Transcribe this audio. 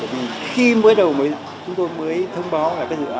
bởi vì khi mới đầu chúng tôi mới thông báo